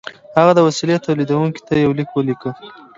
هغه د وسیلې تولیدوونکي ته یو لیک ولیکه